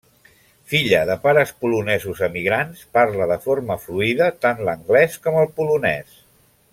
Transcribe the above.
Filla de pares polonesos emigrants, parla de forma fluida tant l'anglès com el polonès.